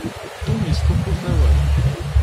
Tom yesṭuqut awal.